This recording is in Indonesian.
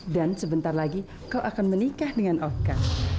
dan sebentar lagi kau akan menikah dengan oka